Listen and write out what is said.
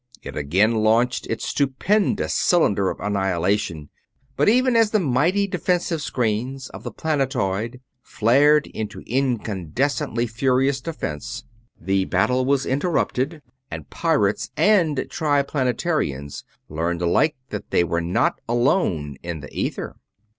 It again launched its stupendous cylinder of annihilation, but even as the mighty defensive screens of the planetoid flared into incandescently furious defense, the battle was interrupted and pirates and Triplanetarians learned alike that they were not alone in the ether.